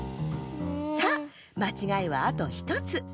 さあまちがいはあと１つ。